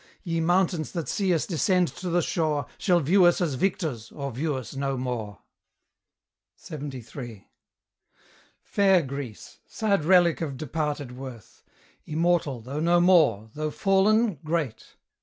Ye mountains that see us descend to the shore, Shall view us as victors, or view us no more! LXXIII. Fair Greece! sad relic of departed worth! Immortal, though no more; though fallen, great!